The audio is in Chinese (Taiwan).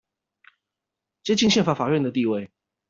接近憲法法院的地位